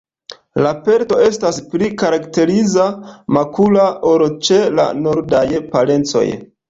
La pelto estas pli karakteriza, makula ol ĉe la nordaj parencoj.